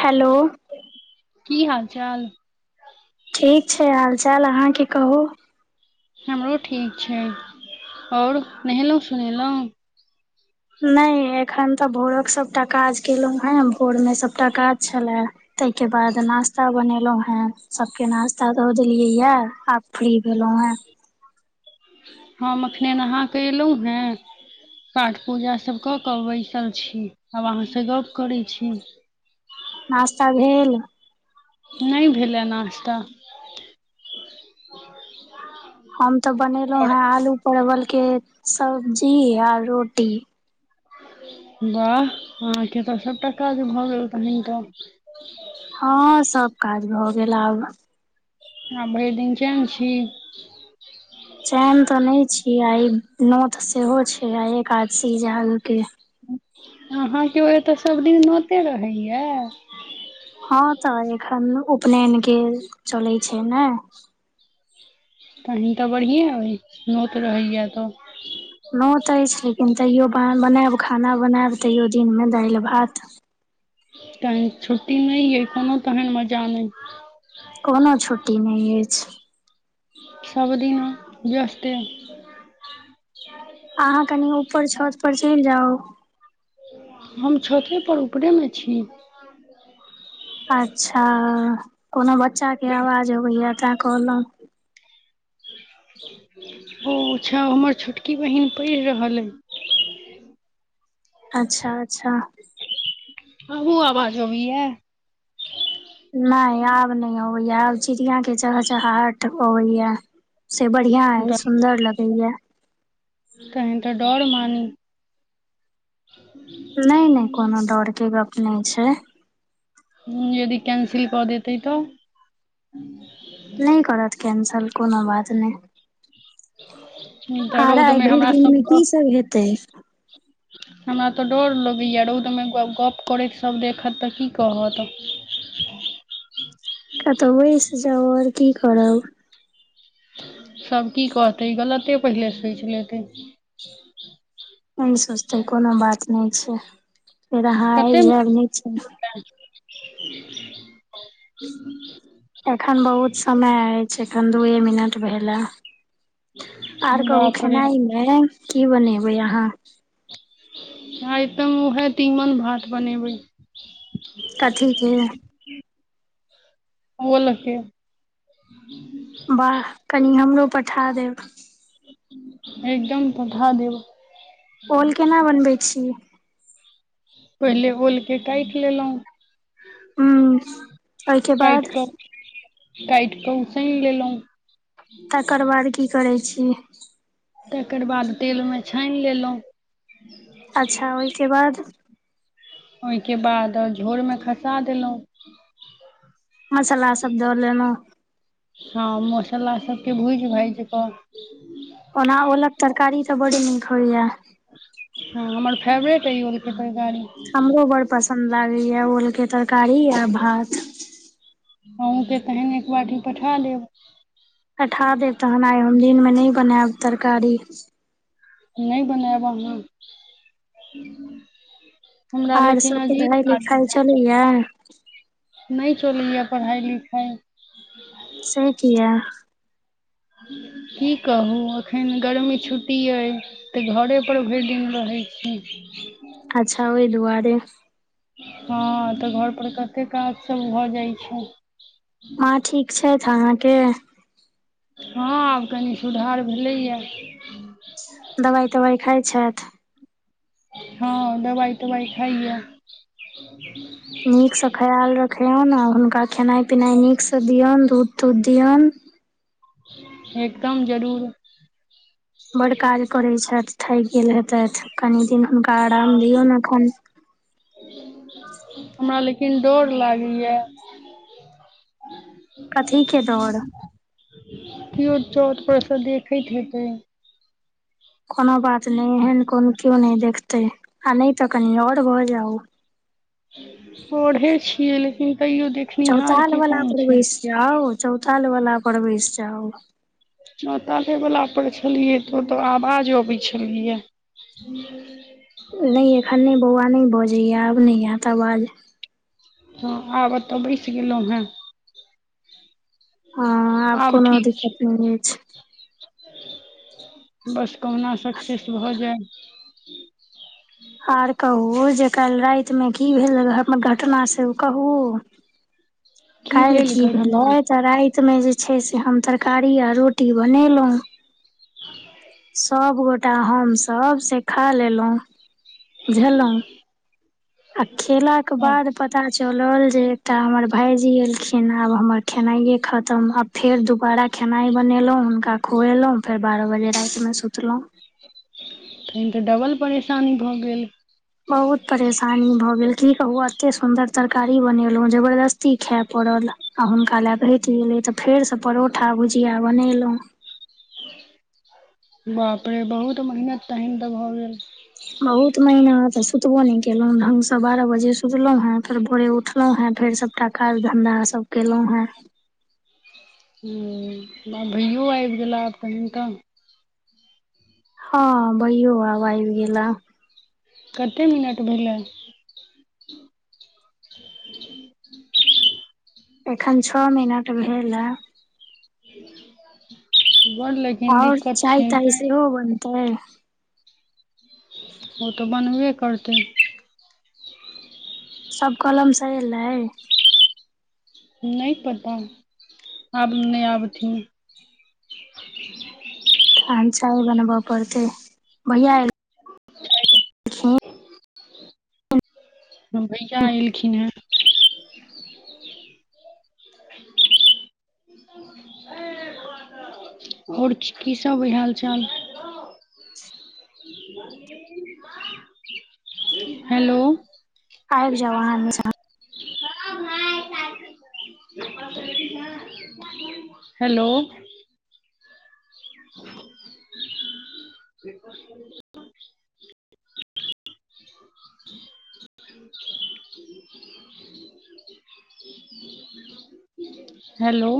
hello की हाल चाल ठीक छै हाल चाल अहाँके कहू हमरो ठीक छै और नहेलौं सुनेलौं नहि एखन तऽ भोरक सभटा काज केलौं हें भोर मे सभटा काज छले तहिके बाद नाश्ता बनेलहुँ हेँ सबके नाास्ता द देलियै ये आब फ्री भेलौं हे हम अखने नहाँके एलहुँ हेँ पाठ पूजा सभ कऽ कऽ बैसल छी आब अहाँसँ गप्प करैत छी नश्ता भेेल नहि भेलै नश्ता हम तऽ बनेलहुँं हेँ आलू परवल के सब्जी आ रोटी वाह अहाँके तऽ सभटा काज भऽ गेल तहन तऽ हँ सब काज भऽ गेल आब हँ भरि दिन चैन छी चैन तो नहि छी आ नोतऽ सेहो छै आ एकादशी जे आगू के अहाँके ओतऽ सभ दिन नोते रहैये हँ तऽ एखन उपनयन के चलैत छै ने तहन तऽ बढ़िएँ अय नोत रहैये तऽ नौतऽ अछि लेकिन तैयो बनायब खाना बनायब तैयो दिनमे दालि भात तहन छुट्टी नहि अय कोनो तहन मजा नहि कोनो छुट्टी नहि अछि सबदिन जस्ते अहाँ कनि ऊपर छत पर चलि जाउ हम छतेपर ऊपरेमे छी अच्छा कोनो बच्चाके आवाज अबैया तैं कहलहुँ ओ अच्छा ओ हमर छोटकी बहिन पढ़ि रहल अय अच्छा अच्छा आबो आवाज अबैये नहि आब नहि अबैये आब चिड़िया के चह चहाहट अबैये से बढ़ियाँ अय सुंदर लगैये तहन तऽ डर मानी [inaudible] नहि नहि कोनो डर के गप नहि छै हम्म यदि कैंसिल कऽ देतै तऽ [inaudible] नहि करत कैंसल कोनो बात नहि तऽ आर रौद आइ मे भरि हमरा सब दिनमे की सब हेतै [inaudible] हमरा तऽ डर लगैए रौदमे गप्प करैत सभ देखत तऽ की कहत कतौ बैसि जाऊ आओर की करब सभ की कहतै गलते पहिले सोचि लेतै [inaudible] नहि सोचतै कोनो बात नहि छै फेर अहाँ आबि कते जायब नीचे न [inaudible] एखन बहुत समय अछि छै एखन दूए मिनट भेले आर कहू बाप रे खेनाइ मे की बनेबै अहाँ आइ तम उएहे तीमन भात बनेबै कथीेके ओल के [inaudible] बाह कनी हमरो पठा देब एकदम पठा देब ओल केना बनबै छी पहिले ओलके काटि लेलहुँ हूंम्म ओहिके काटि बाद कऽ काटि कऽ उसैन लेलहुँ तकर बाद की करै छी तकर बाद तेलमे छानि लेलहुँ अच्छा ओहिके बाद ओहिके बाद झोरमे खसा देलहुँ मसाला सब द लेलौं हँ मसाला सभके भूजि भाजि कऽ ओना ओलक तरकारी तऽ बड्ड नीक होइये हँ हमर फेवरेट अइ ओलके तरकारी हमरो बड़ पसन्द लागैए ओलके तरकारी आ भात अहूँ के तहन एक बाटी पठा देब पठा देब तहन आइ हम दिन मे नहि बनायब तरकारी नहि बनाएब अहाँ हमरा लेकिन अजीब [unintelligible] लागैये किये नहि चलैए पढ़ाइ लिखाइ से किये की कहू एखन गर्मी छुट्टी अइ तऽ घरेपर भरिदिन रहै छी अच्छा ओहि दुआरे हँ तऽ घरपर कतेक काज सभ भऽ जाइत छै माँ ठीक छथि अहाँके हँ आब कनि सुधार भेलैए दबाइ तवाइ खाइ छथि हँ दवाइ तवाइ खाइए [inaudible] नीकसँ ख्याल रखियौन आ हुनका खेनाइ पिनाइ नीकसँ दियौन दूध तूध दियौन एकदम जरूर बड्ड काज करैत छथि थकि गेल हेतथि कनि दिन हुनका आराम दियौन एखन हमरा लेकिन डर लागैए [inaudible] कथी के डर कियो छत परसँ देखैत हेतै कोनो बात नहि एहन कोन केओ नहि देखते आ नहि तऽ कनी अर भऽ जाउ अढ़े छियै लेकिन तैयो देख चौताल वाला पर वैसि जाउ चौताल वाला पर वैसि जाउ चोताले वला पर छेलियै तऽ ओतऽ आवाज अबै छेलैये [inaudible] नहि एखन नहि बौआ नहि बजैये आब नहि एत अबाज हँ आब अत बैसि गेलहुँ हेँ हँ आब कोनो ठीक छै दिक्कत नहि होय छै बस कहुना सक्सेस भऽ जाय आर कहू जे काल्हि रातिमे की भेल हर घटना से ओ कहू [inaudible] कालि भेल की घटना भेलै त राइ तमे जे छै से हम तरकारी आर रोटी बनेलहुँ [inaudible] सबगोटा हमसभ से खा लेलहुँ बुझेलहुँ आ खेला के हँ बाद पता चलल जे तऽ हमर भाइजी अएलखिन आब हमर खेनाइए खतम आब फेर दुबारा खेनाइ बनेलहुँ हुनका खुएलहुँ फेर बारह बजे रातिमे सुतलहुँ तहन तऽ डबल परेशानी भऽ गेल बहुत परेशानी भऽ गेल की कहु एते सुंन्दर तरकारी बनेलहु जबरदस्ती खायए पड़ल आ हुनका लए घटि गेलै तऽ फेरसँ परोठा भुजिया बनेलहुँ बाप रे बहुत मेहनत तहन तऽ भऽ गेल बहुत महीना तऽ सुतबो नहि केलहुँं ढंगसँ बारह बजे सुतलहुँ हेँ फेर भोरे उठलहुँ हेँ फेर सब काज धंधा सब केलहुं हें हँ भैयो आबि गेला आब तनि तऽ हुनका हँ बैयो आब आबि गेला कतेक मिनट भेलै एखन छओ मिनट भेल हं गोर लग आओर चाय ताय सेहो बनतै ओ तऽ बनबे करतै सब कलम स एलै नहि पता आब नहि आबथिन तान चाय बनबऽ पड़तै भैया एल हम भैया एलखिन हेँ आओर की सब अइ हाल चाल [unintelligible] मां हेलो आइब जाउ आहां [unintelligible] हेलो ब [unintelligible] हेलो